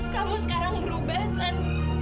kamu sekarang berubah san